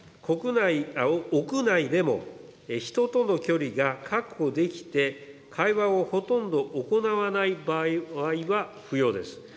屋内でも人との距離が確保できて、会話をほとんど行わない場合は不要です。